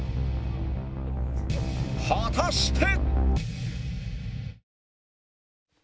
果たして